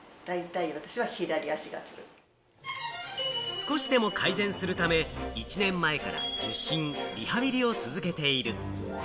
少しでも改善するため、１年前から受診、リハビリを続けている。